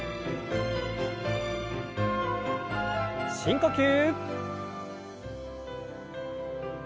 深呼吸。